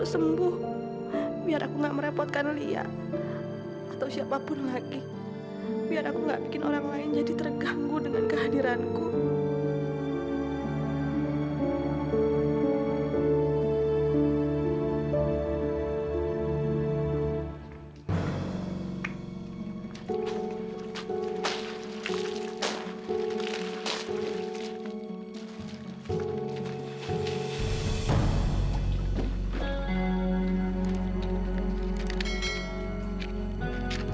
sampai jumpa di video selanjutnya